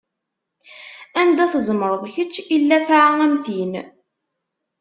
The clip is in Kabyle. Anda tzemreḍ kečč i llafɛa am tin!